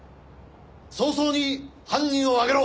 早々に犯人を挙げろ！